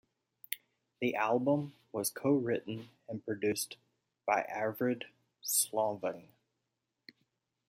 The album was co-written and produced by Arvid Solvang.